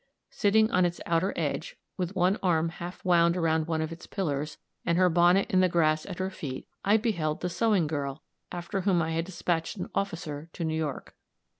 Sitting on its outer edge, with one arm half wound around one of its pillars, and her bonnet in the grass at her feet, I beheld the sewing girl after whom I had dispatched an officer to New York.